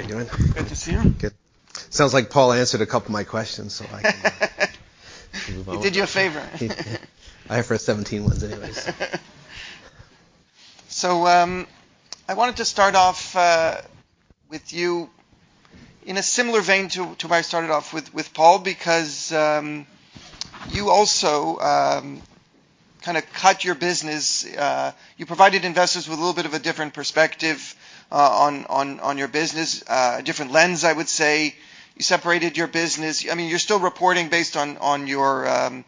Hey, how you doing? Good to see you. Good. Sounds like Paul answered a couple of my questions, so I can- He did you a favor. IFRS 17 was anyways. So, I wanted to start off with you in a similar vein to where I started off with Paul, because you also kind of cut your business. You provided investors with a little bit of a different perspective on your business, a different lens, I would say. You separated your business. I mean, you're still reporting based on your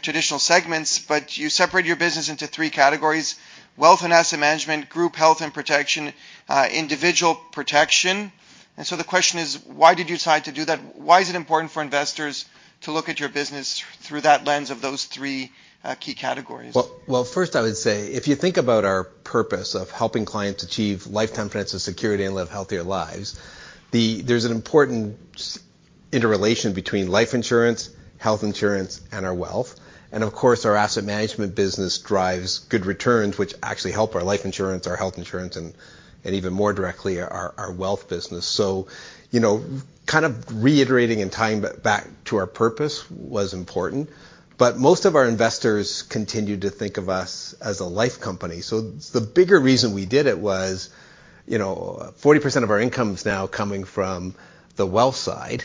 traditional segments, but you separated your business into three categories: Wealth and Asset Management, Group Health and Protection, Individual Protection. And so the question is: why did you decide to do that? Why is it important for investors to look at your business through that lens of those three key categories? Well, first, I would say, if you think about our purpose of helping clients achieve lifetime financial security and live healthier lives, there's an important interrelation between life insurance, health insurance, and our wealth. And of course, our asset management business drives good returns, which actually help our life insurance, our health insurance, and even more directly, our wealth business. So, you know, kind of reiterating and tying back to our purpose was important, but most of our investors continued to think of us as a life company. So the bigger reason we did it was, you know, 40% of our income is now coming from the wealth side,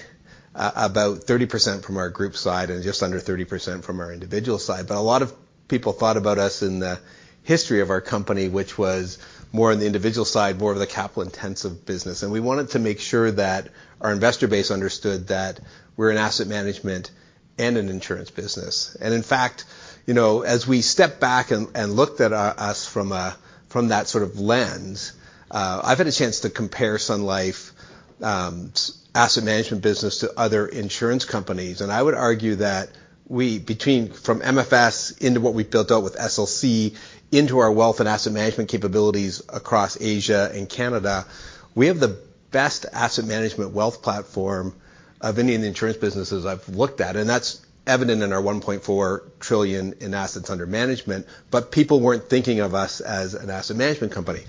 about 30% from our group side, and just under 30% from our individual side. But a lot of people thought about us in the history of our company, which was more on the individual side, more of the capital-intensive business. And we wanted to make sure that our investor base understood that we're an asset management and an insurance business. And in fact, you know, as we stepped back and looked at us from that sort of lens, I've had a chance to compare Sun Life asset management business to other insurance companies. And I would argue that we between, from MFS into what we built out with SLC, into our Wealth and Asset Management capabilities across Asia and Canada, we have the best asset management wealth platform of any of the insurance businesses I've looked at, and that's evident in our 1.4 trillion in assets under management. People weren't thinking of us as an asset management company.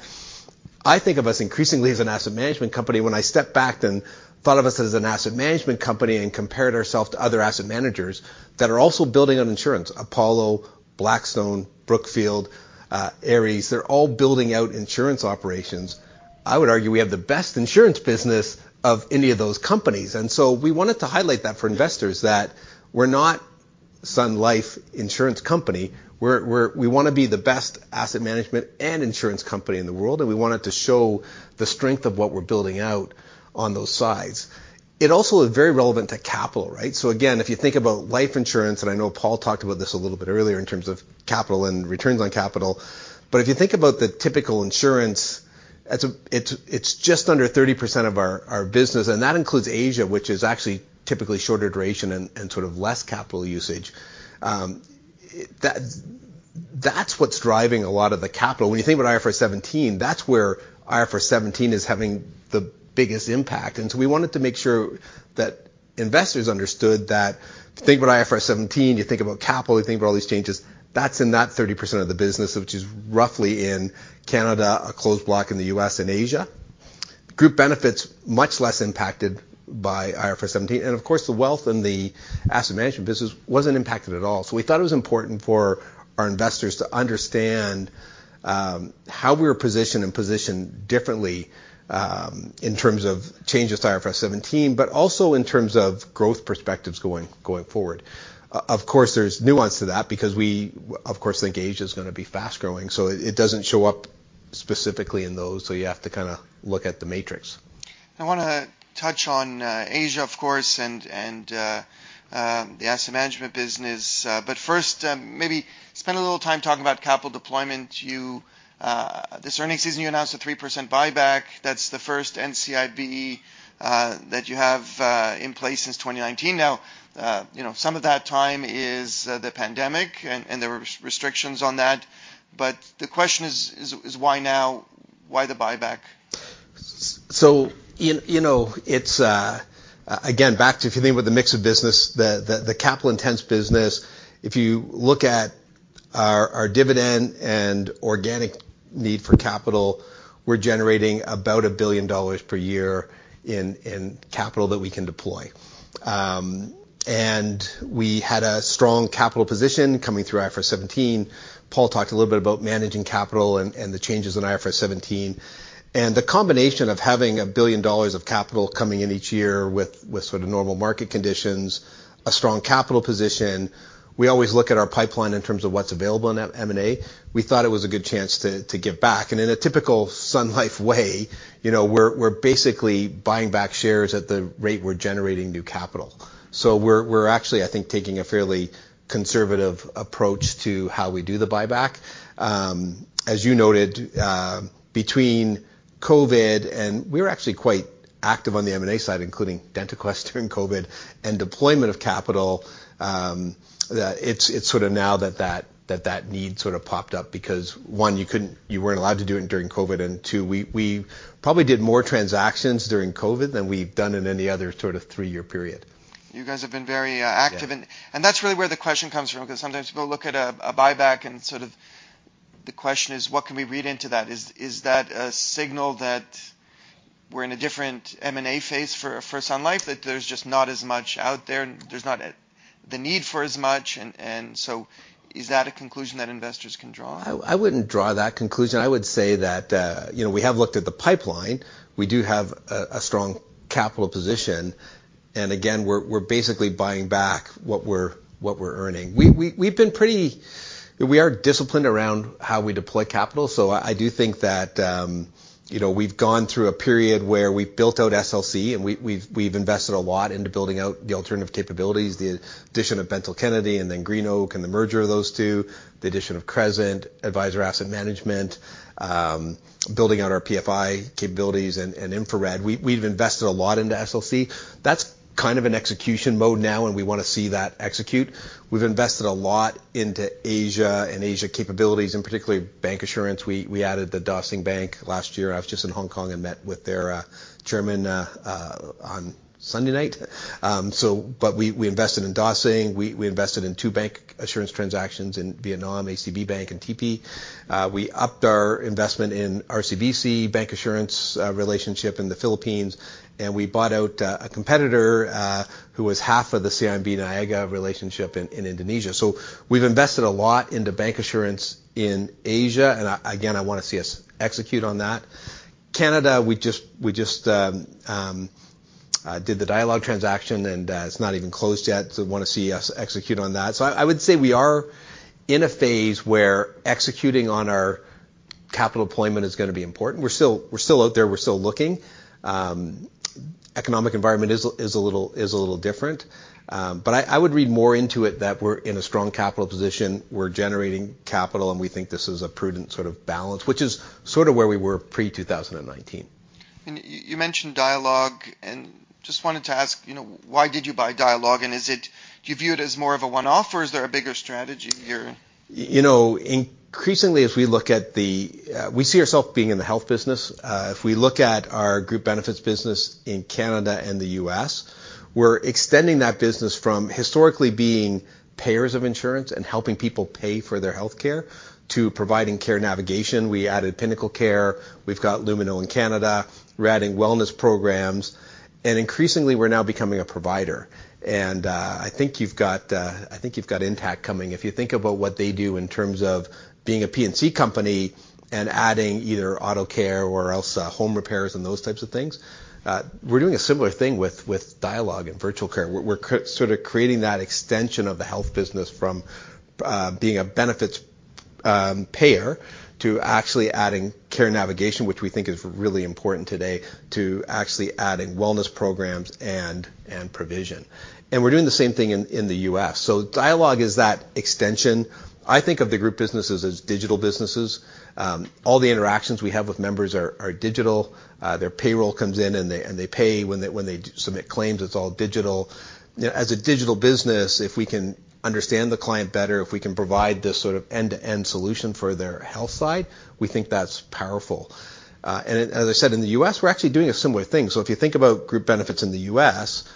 I think of us increasingly as an asset management company. When I stepped back and thought of us as an asset management company and compared ourselves to other asset managers that are also building on insurance, Apollo, Blackstone, Brookfield, Ares, they're all building out insurance operations. I would argue we have the best insurance business of any of those companies. And so we wanted to highlight that for investors, that we're not Sun Life Insurance Company. We're, we're, we want to be the best asset management and insurance company in the world, and we wanted to show the strength of what we're building out on those sides. It also is very relevant to capital, right? So again, if you think about life insurance, and I know Paul talked about this a little bit earlier in terms of capital and returns on capital, but if you think about the typical insurance, that's just under 30% of our business, and that includes Asia, which is actually typically shorter duration and sort of less capital usage. That's what's driving a lot of the capital. When you think about IFRS 17, that's where IFRS 17 is having the biggest impact. And so we wanted to make sure that investors understood that to think about IFRS 17, you think about capital, you think about all these changes, that's in that 30% of the business, which is roughly in Canada, a Closed Block in the U.S. and Asia. Group benefits, much less impacted by IFRS 17, and of course, the wealth and the asset management business wasn't impacted at all. So we thought it was important for our investors to understand how we were positioned and positioned differently in terms of changes to IFRS 17, but also in terms of growth perspectives going forward. Of course, there's nuance to that because we, of course, think Asia is going to be fast growing, so it doesn't show up specifically in those, so you have to kind of look at the matrix. I want to touch on Asia, of course, and the asset management business. But first, maybe spend a little time talking about capital deployment. You, this earnings season, you announced a 3% buyback. That's the first NCIB that you have in place since 2019. Now, you know, some of that time is the pandemic, and there were restrictions on that. But the question is, why now? Why the buyback? So, you know, it's again back to if you think about the mix of business, the capital-intense business. If you look at our dividend and organic need for capital, we're generating about 1 billion dollars per year in capital that we can deploy. And we had a strong capital position coming through IFRS 17. Paul talked a little bit about managing capital and the changes in IFRS 17. And the combination of having 1 billion dollars of capital coming in each year with sort of normal market conditions, a strong capital position, we always look at our pipeline in terms of what's available in M&A. We thought it was a good chance to give back. And in a typical Sun Life way, you know, we're basically buying back shares at the rate we're generating new capital. So we're actually, I think, taking a fairly conservative approach to how we do the buyback. As you noted, between COVID, and we were actually quite active on the M&A side, including DentaQuest during COVID and deployment of capital, that it's sort of now that need sort of popped up, because, one, you couldn't, you weren't allowed to do it during COVID, and two, we probably did more transactions during COVID than we've done in any other sort of three-year period. You guys have been very active- Yeah. That's really where the question comes from, 'cause sometimes people look at a buyback, and sort of the question is: What can we read into that? Is that a signal that we're in a different M&A phase for Sun Life, that there's just not as much out there, and there's not the need for as much? So is that a conclusion that investors can draw? I wouldn't draw that conclusion. I would say that, you know, we have looked at the pipeline. We do have a strong capital position, and again, we're basically buying back what we're earning. We've been pretty disciplined around how we deploy capital, so I do think that, you know, we've gone through a period where we've built out SLC and we've invested a lot into building out the alternative capabilities, the addition of Bentall Kennedy, and then GreenOak, and the merger of those two, the addition of Crescent, Advisors Asset Management, building out our PFI capabilities and InfraRed. We've invested a lot into SLC. That's kind of in execution mode now, and we wanna see that execute. We've invested a lot into Asia and Asia capabilities, and particularly bancassurance. We added the Dah Sing Bank last year. I was just in Hong Kong and met with their chairman on Sunday night. So but we invested in Dah Sing. We invested in two bancassurance transactions in Vietnam, ACB Bank and TP. We upped our investment in RCBC, bancassurance, relationship in the Philippines, and we bought out a competitor who was half of the CIMB Niaga relationship in Indonesia. So we've invested a lot into bancassurance in Asia, and again, I wanna see us execute on that. Canada, we just did the Dialogue transaction, and it's not even closed yet, so wanna see us execute on that. So I would say we are in a phase where executing on our capital deployment is gonna be important. We're still out there. We're still looking. Economic environment is a little different, but I would read more into it that we're in a strong capital position. We're generating capital, and we think this is a prudent sort of balance, which is sort of where we were pre-2019. You, you mentioned Dialogue, and just wanted to ask, you know, why did you buy Dialogue, and is it... Do you view it as more of a one-off, or is there a bigger strategy here? You know, increasingly, as we look at the, we see ourselves being in the health business. If we look at our group benefits business in Canada and the US, we're extending that business from historically being payers of insurance and helping people pay for their healthcare to providing care navigation. We added PinnacleCare. We've got Lumino in Canada. We're adding wellness programs, and increasingly, we're now becoming a provider. And, I think you've got, I think you've got Intact coming. If you think about what they do in terms of being a P&C company and adding either auto care or else, home repairs and those types of things, we're doing a similar thing with, with Dialogue and virtual care. We're sort of creating that extension of the health business from being a benefits payer to actually adding care navigation, which we think is really important today, to actually adding wellness programs and provision, and we're doing the same thing in the U.S. So Dialogue is that extension. I think of the group businesses as digital businesses. All the interactions we have with members are digital. Their payroll comes in, and they pay when they do submit claims, it's all digital. You know, as a digital business, if we can understand the client better, if we can provide this sort of end-to-end solution for their health side, we think that's powerful. And as I said, in the U.S., we're actually doing a similar thing. So if you think about group benefits in the US,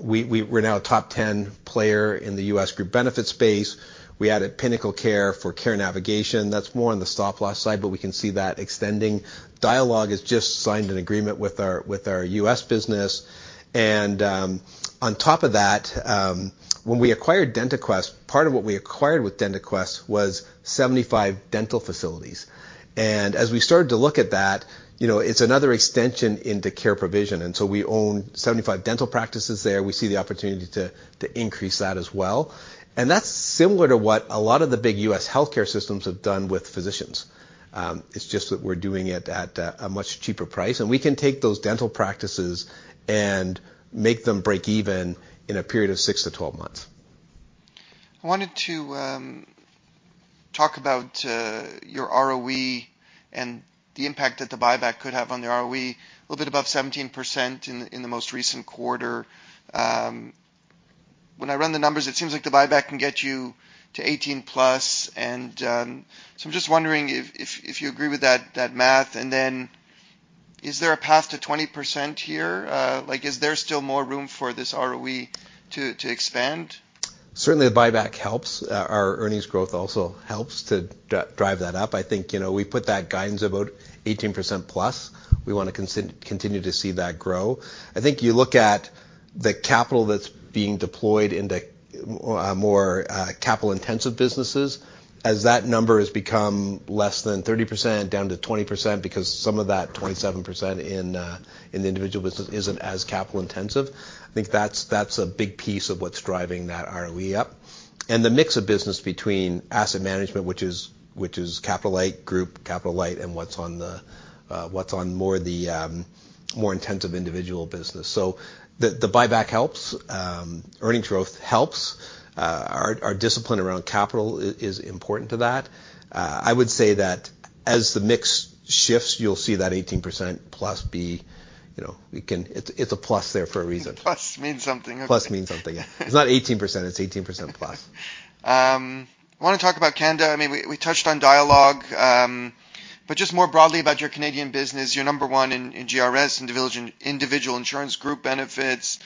we're now a top 10 player in the US group benefits space. We added PinnacleCare for care navigation. That's more on the stop-loss side, but we can see that extending. Dialogue has just signed an agreement with our, with our US business, and, on top of that, when we acquired DentaQuest, part of what we acquired with DentaQuest was 75 dental facilities. As we started to look at that, you know, it's another extension into care provision, and so we own 75 dental practices there. We see the opportunity to, to increase that as well, and that's similar to what a lot of the big US healthcare systems have done with physicians. It's just that we're doing it at a much cheaper price, and we can take those dental practices and make them break even in a period of 6-12 months. I wanted to talk about your ROE and the impact that the buyback could have on the ROE. A little bit above 17% in the most recent quarter. When I run the numbers, it seems like the buyback can get you to 18+, and so I'm just wondering if you agree with that math, and then is there a path to 20% here? Like, is there still more room for this ROE to expand? Certainly, the buyback helps. Our earnings growth also helps to drive that up. I think, you know, we put that guidance about 18% plus. We want to continue to see that grow. I think you look at the capital that's being deployed into more capital-intensive businesses, as that number has become less than 30% down to 20% because some of that 27% in the individual business isn't as capital intensive, I think that's a big piece of what's driving that ROE up. The mix of business between asset management, which is capital light, group capital light, and what's on more the more intensive individual business. The buyback helps. Earnings growth helps. Our discipline around capital is important to that. I would say that as the mix shifts, you'll see that 18%+, you know, we can. It's a plus there for a reason. Plus means something. Plus means something. It's not 18%, it's 18% plus. I wanna talk about Canada. I mean, we, we touched on Dialogue. But just more broadly about your Canadian business, you're number one in GRS, individual, individual insurance group benefits,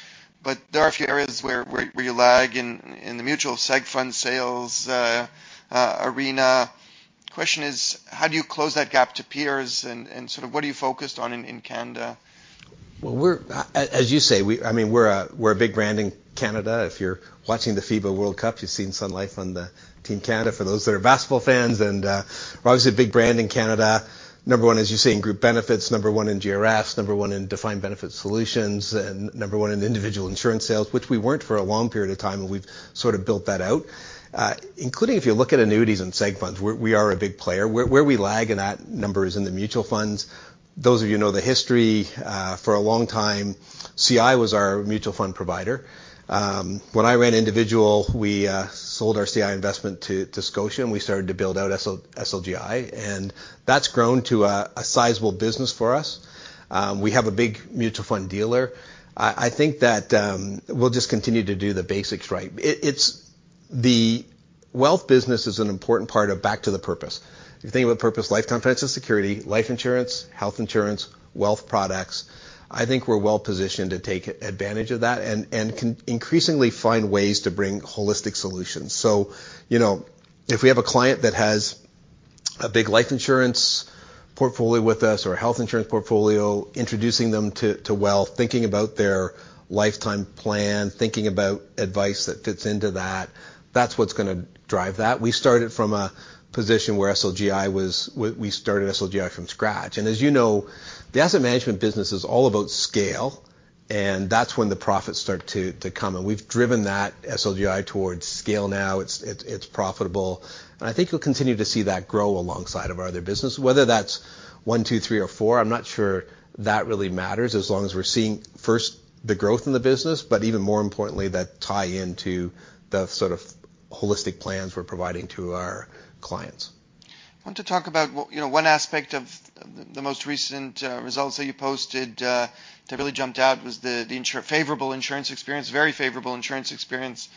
but there are a few areas where you lag in the mutual seg fund sales arena. Question is: how do you close that gap to peers, and sort of what are you focused on in Canada? Well, as you say, I mean, we're a big brand in Canada. If you're watching the FIBA World Cup, you've seen Sun Life on the Team Canada, for those that are basketball fans, and we're obviously a big brand in Canada. Number one, as you say, in group benefits, number one in GRS, number one in Defined Benefit Solutions, and number one in individual insurance sales, which we weren't for a long period of time, and we've sort of built that out. Including if you look at annuities and seg funds, we are a big player. Where we lag in that number is in the mutual funds. Those of you who know the history, for a long time, CI was our mutual fund provider. When I ran individual, we sold our CI investment to Scotia, and we started to build out SLGI, and that's grown to a sizable business for us. We have a big mutual fund dealer. I think that we'll just continue to do the basics right. The wealth business is an important part of back to the purpose. If you think about purpose, lifetime financial security, life insurance, health insurance, wealth products, I think we're well positioned to take advantage of that, and can increasingly find ways to bring holistic solutions. So, you know, if we have a client that has a big life insurance portfolio with us, or a health insurance portfolio, introducing them to wealth, thinking about their lifetime plan, thinking about advice that fits into that, that's what's gonna drive that. We started from a position where SLGI was. We started SLGI from scratch. And as you know, the asset management business is all about scale, and that's when the profits start to come, and we've driven that SLGI towards scale now. It's profitable, and I think you'll continue to see that grow alongside of our other business, whether that's one, two, three or four. I'm not sure that really matters as long as we're seeing first the growth in the business, but even more importantly, that tie-in to the sort of holistic plans we're providing to our clients. I want to talk about you know, one aspect of the most recent results that you posted that really jumped out was the favorable insurance experience, very favorable insurance experience,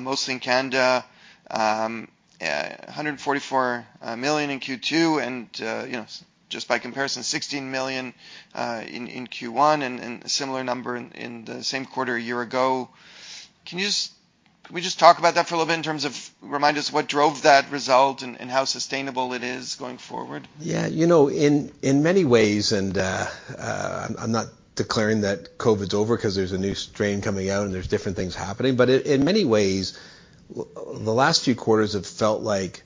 mostly in Canada. 144 million in Q2, and you know, just by comparison, 16 million in Q1, and a similar number in the same quarter a year ago. Can you just... Can we just talk about that for a little bit in terms of remind us what drove that result and how sustainable it is going forward? Yeah, you know, in many ways, I'm not declaring that COVID's over, 'cause there's a new strain coming out, and there's different things happening, but in many ways, the last few quarters have felt like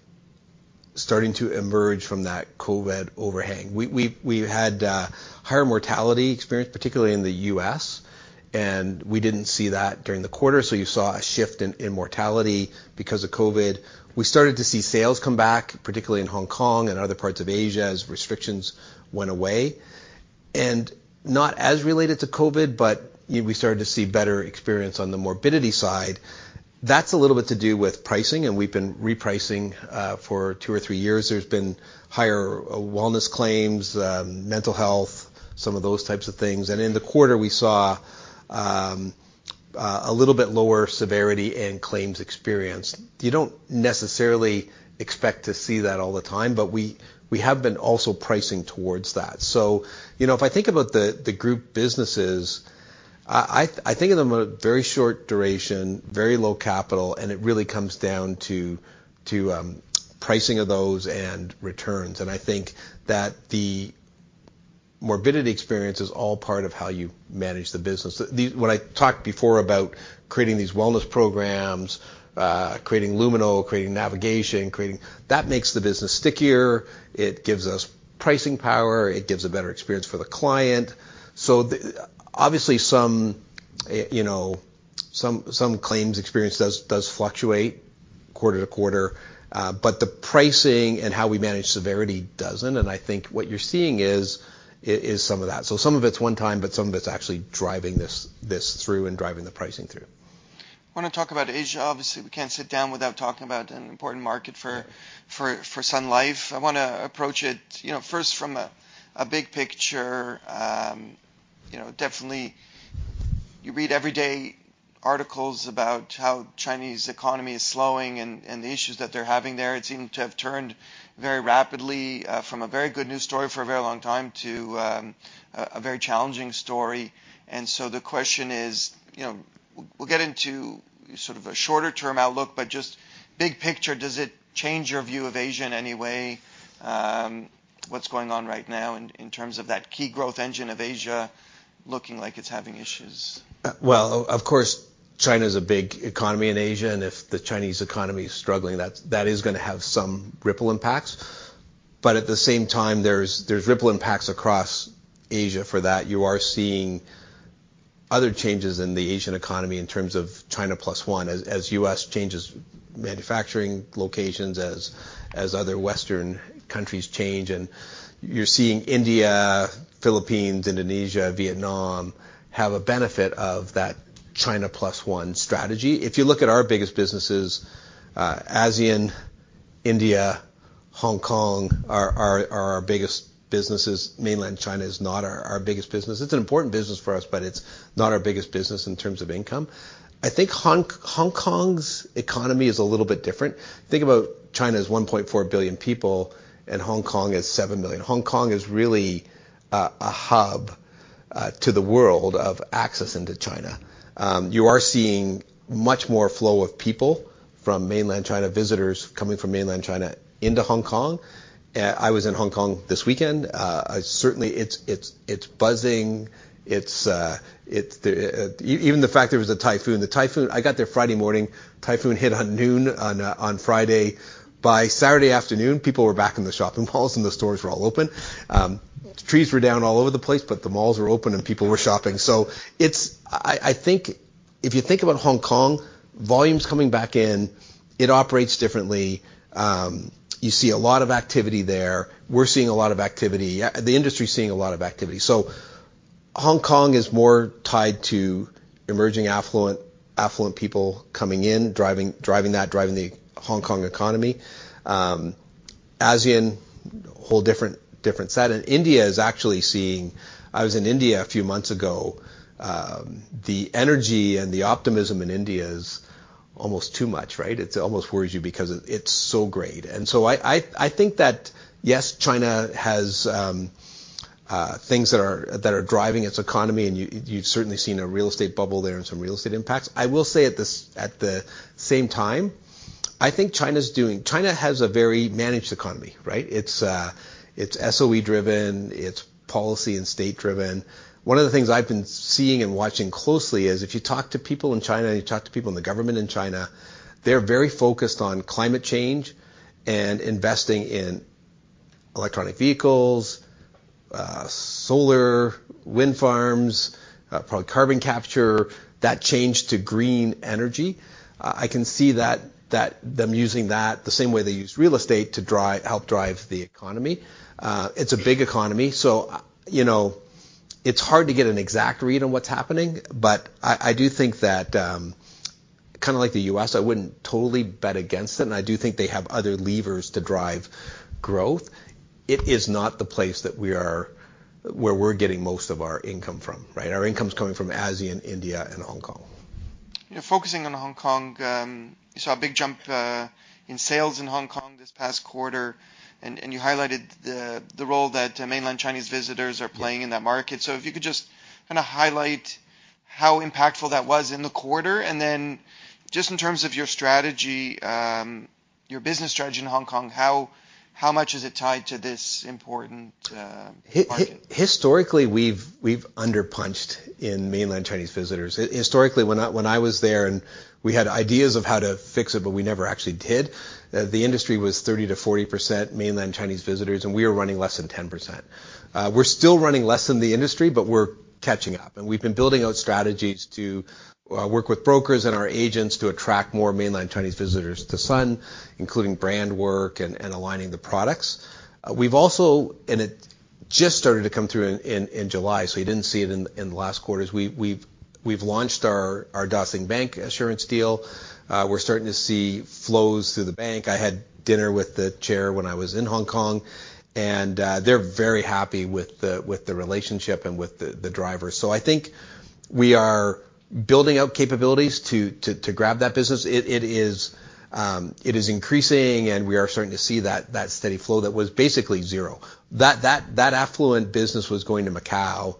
starting to emerge from that COVID overhang. We had higher mortality experience, particularly in the U.S., and we didn't see that during the quarter, so you saw a shift in mortality because of COVID. We started to see sales come back, particularly in Hong Kong and other parts of Asia, as restrictions went away. And not as related to COVID, but we started to see better experience on the morbidity side. That's a little bit to do with pricing, and we've been repricing for two or three years. There's been higher wellness claims, mental health, some of those types of things. And in the quarter, we saw a little bit lower severity and claims experience. You don't necessarily expect to see that all the time, but we have been also pricing towards that. So, you know, if I think about the group businesses, I think of them as very short duration, very low capital, and it really comes down to pricing of those and returns. And I think that the morbidity experience is all part of how you manage the business. When I talked before about creating these wellness programs, creating Lumino, creating navigation, creating... That makes the business stickier; it gives us pricing power; it gives a better experience for the client. So, obviously, some, you know, some claims experience does fluctuate quarter to quarter, but the pricing and how we manage severity doesn't, and I think what you're seeing is some of that. So some of it's one time, but some of it's actually driving this through and driving the pricing through. I wanna talk about Asia. Obviously, we can't sit down without talking about an important market for Sun Life. I wanna approach it, you know, first from a big picture. You know, definitely you read every day articles about how Chinese economy is slowing and the issues that they're having there. It seemed to have turned very rapidly from a very good news story for a very long time to a very challenging story. And so the question is, you know, we'll get into sort of a shorter term outlook, but just big picture, does it change your view of Asia in any way, what's going on right now in terms of that key growth engine of Asia looking like it's having issues? Well, of course, China is a big economy in Asia, and if the Chinese economy is struggling, that's gonna have some ripple impacts. But at the same time, there's ripple impacts across Asia for that. You are seeing other changes in the Asian economy in terms of China Plus One, as U.S. changes manufacturing locations, as other Western countries change, and you're seeing India, Philippines, Indonesia, Vietnam, have a benefit of that China Plus One strategy. If you look at our biggest businesses, ASEAN, India, Hong Kong are our biggest businesses; mainland China is not our biggest business. It's an important business for us, but it's not our biggest business in terms of income. I think Hong Kong's economy is a little bit different. Think about China as 1.4 billion people, and Hong Kong as 7 million. Hong Kong is really a hub to the world of access into China. You are seeing much more flow of people from mainland China, visitors coming from mainland China into Hong Kong. I was in Hong Kong this weekend. I certainly it's buzzing. It's the. Even the fact there was a typhoon. The typhoon. I got there Friday morning, typhoon hit on noon on Friday. By Saturday afternoon, people were back in the shopping malls, and the stores were all open. Trees were down all over the place, but the malls were open, and people were shopping. So it's. I think if you think about Hong Kong, volume's coming back in, it operates differently. You see a lot of activity there. We're seeing a lot of activity. Yeah, the industry is seeing a lot of activity. So Hong Kong is more tied to emerging affluent, affluent people coming in, driving, driving that, driving the Hong Kong economy. ASEAN, whole different, different set, and India is actually seeing... I was in India a few months ago. The energy and the optimism in India is almost too much, right? It almost worries you because it, it's so great. And so I, I, I think that, yes, China has, things that are, that are driving its economy, and you, you've certainly seen a real estate bubble there and some real estate impacts. I will say at this at the same time, I think China's doing... China has a very managed economy, right? It's, it's SOE driven, it's policy and state driven. One of the things I've been seeing and watching closely is, if you talk to people in China, and you talk to people in the government in China, they're very focused on climate change and investing in electric vehicles, solar, wind farms, probably carbon capture, that change to green energy. I can see that them using that the same way they used real estate to help drive the economy. It's a big economy, so, you know, it's hard to get an exact read on what's happening, but I do think that, kind of like the US, I wouldn't totally bet against it, and I do think they have other levers to drive growth. It is not the place that we are where we're getting most of our income from, right? Our income's coming from ASEAN, India and Hong Kong. Yeah, focusing on Hong Kong, you saw a big jump in sales in Hong Kong this past quarter, and you highlighted the role that mainland Chinese visitors are playing in that market. So if you could just kind of highlight how impactful that was in the quarter, and then just in terms of your strategy, your business strategy in Hong Kong, how much is it tied to this important market? Historically, we've underpunched in mainland Chinese visitors. Historically, when I was there, and we had ideas of how to fix it, but we never actually did, the industry was 30%-40% mainland Chinese visitors, and we were running less than 10%. We're still running less than the industry, but we're catching up, and we've been building out strategies to work with brokers and our agents to attract more mainland Chinese visitors to Sun, including brand work and aligning the products. We've also launched our Dah Sing bancassurance deal. It just started to come through in July, so you didn't see it in the last quarters. We're starting to see flows through the bank. I had dinner with the chair when I was in Hong Kong, and they're very happy with the relationship and with the drivers. So I think we are building out capabilities to grab that business. It is increasing, and we are starting to see that steady flow that was basically zero. That affluent business was going to Macau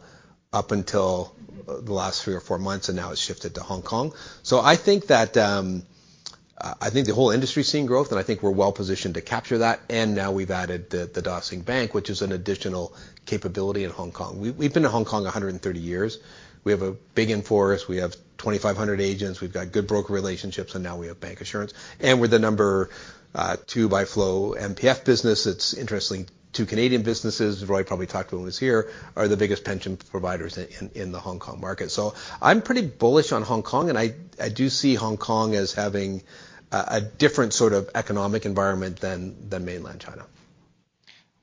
up until the last three or four months, and now it's shifted to Hong Kong. So I think that the whole industry is seeing growth, and I think we're well positioned to capture that, and now we've added the Dah Sing Bank, which is an additional capability in Hong Kong. We've been to Hong Kong 130 years. We have a big in-force. We have 2,500 agents. We've got good broker relationships, and now we have bancassurance, and we're the number 2 by flow MPF business. It's interesting, two Canadian businesses, Roy probably talked about when he was here, are the biggest pension providers in the Hong Kong market. So I'm pretty bullish on Hong Kong, and I do see Hong Kong as having a different sort of economic environment than mainland China.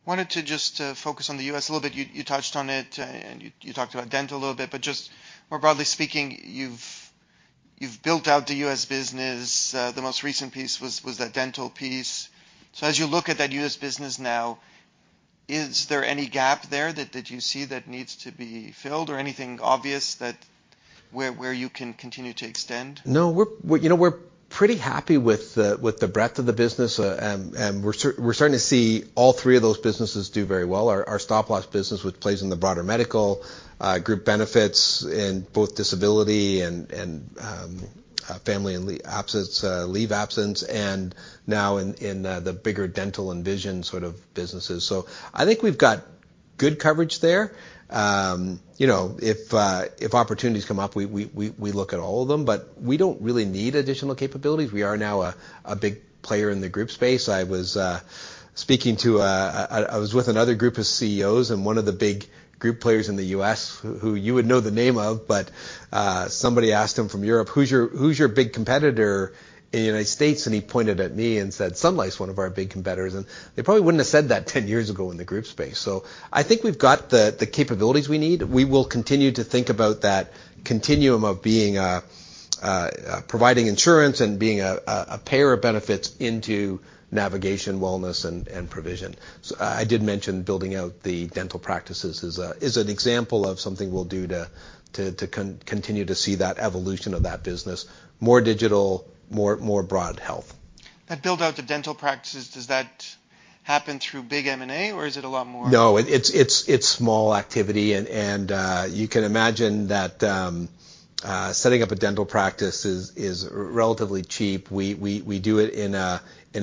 Wanted to just focus on the U.S. a little bit. You touched on it and you talked about dental a little bit, but just more broadly speaking, you've built out the U.S. business. The most recent piece was that dental piece. So as you look at that U.S. business now, is there any gap there that you see that needs to be filled or anything obvious that where you can continue to extend? No, you know, we're pretty happy with the breadth of the business, and we're starting to see all three of those businesses do very well. Our Stop-Loss business, which plays in the broader medical group benefits in both disability and family and leave of absence, and now in the bigger dental and vision sort of businesses. So I think we've got good coverage there. You know, if opportunities come up, we look at all of them, but we don't really need additional capabilities. We are now a big player in the group space. I was speaking to... I was with another group of CEOs and one of the big group players in the U.S., who you would know the name of, but somebody asked him from Europe, "Who's your big competitor in the United States?" And he pointed at me and said, "Sun Life's one of our big competitors." And they probably wouldn't have said that ten years ago in the group space. So I think we've got the capabilities we need. We will continue to think about that continuum of being providing insurance and being a payer of benefits into navigation, wellness, and provision. So I did mention building out the dental practices is an example of something we'll do to continue to see that evolution of that business: more digital, more broad health. That build out the dental practices, does that happen through big M&A, or is it a lot more? No, it's small activity, and you can imagine that setting up a dental practice is relatively cheap. We do it in a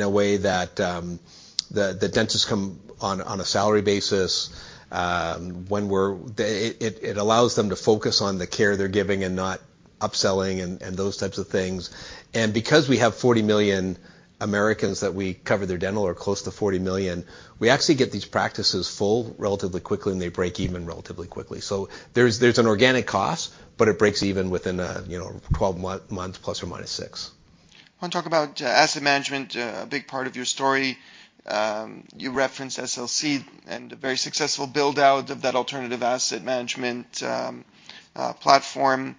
way that the dentists come on a salary basis. It allows them to focus on the care they're giving and not upselling and those types of things. And because we have 40 million Americans that we cover their dental or close to 40 million, we actually get these practices full relatively quickly, and they break even relatively quickly. So there's an organic cost, but it breaks even within a, you know, 12-month months ±6. I want to talk about asset management, a big part of your story. You referenced SLC and a very successful build-out of that alternative asset management platform.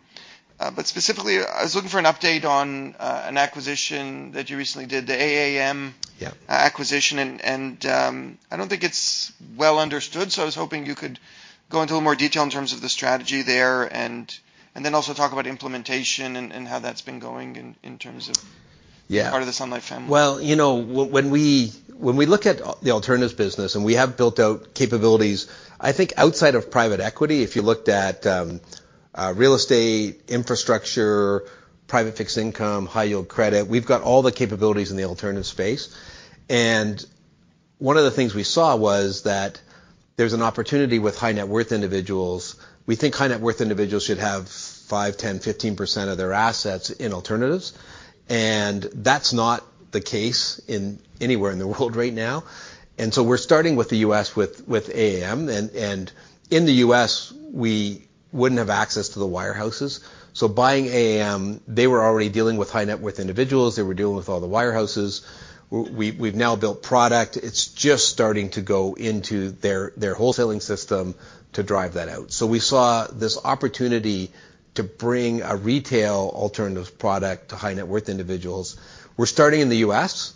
But specifically, I was looking for an update on an acquisition that you recently did, the AAM- Yeah acquisition, and I don't think it's well understood, so I was hoping you could go into a little more detail in terms of the strategy there, and then also talk about implementation and how that's been going in terms of- Yeah part of the Sun Life family. Well, you know, when we, when we look at the alternatives business, and we have built out capabilities, I think outside of private equity, if you looked at real estate, infrastructure, private fixed income, high yield credit, we've got all the capabilities in the alternative space. And one of the things we saw was that there's an opportunity with high net worth individuals. We think high net worth individuals should have 5, 10, 15% of their assets in alternatives, and that's not the case anywhere in the world right now. And so we're starting with the U.S., with AAM, and in the U.S., we wouldn't have access to the wirehouses. So buying AAM, they were already dealing with high net worth individuals, they were dealing with all the wirehouses. We, we've now built product. It's just starting to go into their wholesaling system to drive that out. So we saw this opportunity to bring a retail alternative product to high net worth individuals. We're starting in the U.S.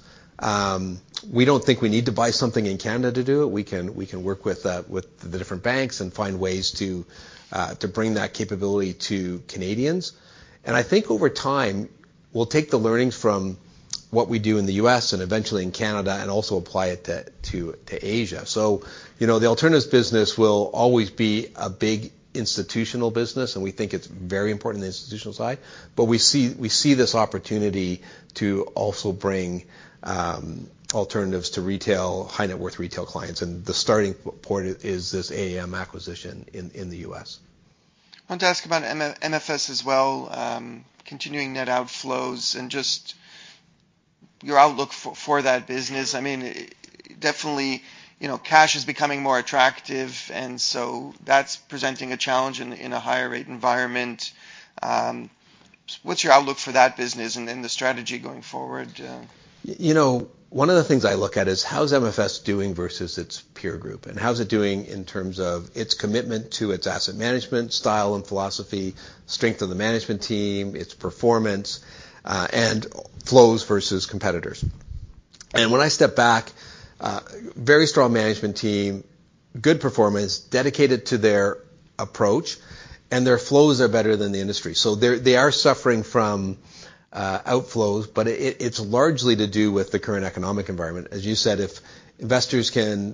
We don't think we need to buy something in Canada to do it. We can work with the different banks and find ways to bring that capability to Canadians. And I think over time, we'll take the learnings from what we do in the U.S. and eventually in Canada and also apply it to Asia. So, you know, the alternatives business will always be a big institutional business, and we think it's very important in the institutional side. But we see, we see this opportunity to also bring alternatives to retail, high net worth retail clients, and the starting point is this AAM acquisition in the U.S. I want to ask about MFS as well, continuing net outflows and just your outlook for, for that business. I mean, definitely, you know, cash is becoming more attractive, and so that's presenting a challenge in, in a higher rate environment. What's your outlook for that business and then the strategy going forward? You know, one of the things I look at is how's MFS doing versus its peer group? And how's it doing in terms of its commitment to its asset management, style and philosophy, strength of the management team, its performance, and flows versus competitors. And when I step back, very strong management team, good performance, dedicated to their approach, and their flows are better than the industry. So they are suffering from outflows, but it, it's largely to do with the current economic environment. As you said, if investors can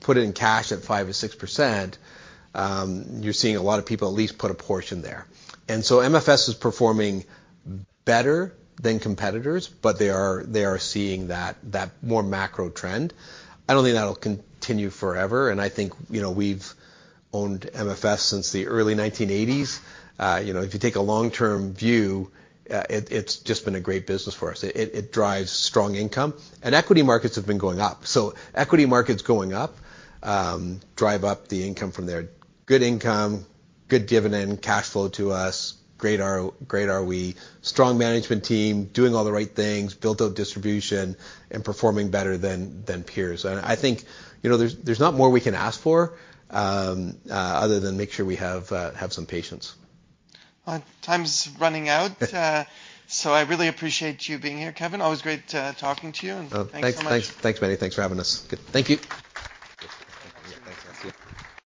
put it in cash at 5% or 6%, you're seeing a lot of people at least put a portion there. And so MFS is performing better than competitors, but they are seeing that more macro trend. I don't think that'll continue forever, and I think, you know, we've owned MFS since the early 1980s. You know, if you take a long-term view, it, it's just been a great business for us. It, it, it drives strong income, and equity markets have been going up. So equity markets going up, drive up the income from there. Good income, good dividend, cash flow to us, great ROE, strong management team, doing all the right things, built out distribution, and performing better than peers. And I think, you know, there's, there's not more we can ask for, other than make sure we have, have some patience. Time's running out. So I really appreciate you being here, Kevin. Always great, talking to you, and thanks so much. Thanks, thanks, Meny. Thanks for having us. Good. Thank you. Thanks. See you.